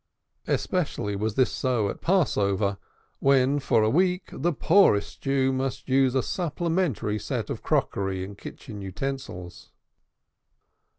Especially was this so at Passover, when for a week the poorest Jew must use a supplementary set of crockery and kitchen utensils.